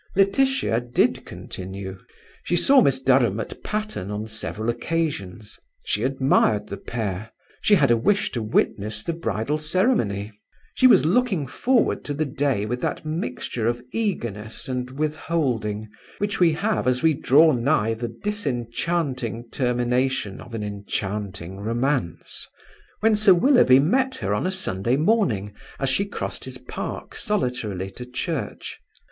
Laetitia did continue. She saw Miss Durham at Patterne on several occasions. She admired the pair. She had a wish to witness the bridal ceremony. She was looking forward to the day with that mixture of eagerness and withholding which we have as we draw nigh the disenchanting termination of an enchanting romance, when Sir Willoughby met her on a Sunday morning, as she crossed his park solitarily to church.